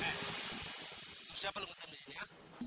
eh itu siapa lo ngetem di sini ya